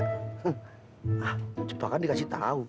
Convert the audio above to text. hah jebakan dikasih tahu